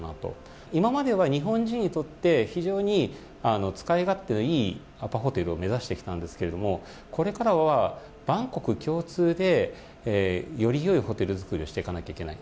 今までは日本人にとって非常に使い勝手のいいアパホテルを目指してきたんですけれどこれからは万国共通でより良いホテル作りをしていかないといけない。